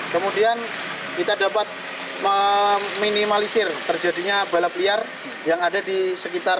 kemudian kita dapat meminimalisir terjadinya balap liar yang ada di sekitar